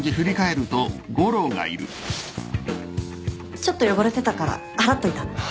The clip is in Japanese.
ちょっと汚れてたから払っといた。